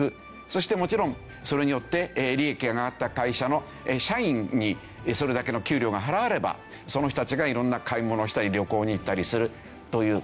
そしてもちろんそれによって利益が上がった会社の社員にそれだけの給料が払われればその人たちが色んな買い物をしたり旅行に行ったりするという。